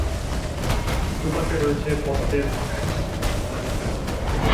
দুপাশে রয়েছে পদ্মের নকশা।